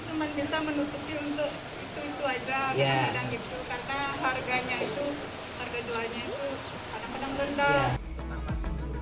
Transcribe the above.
karena harganya itu harga jualnya itu kadang kadang rendah